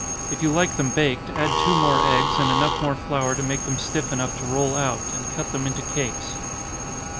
If you like them baked, add two more eggs, and enough more flour to make them stiff enough to roll out, and cut them into cakes.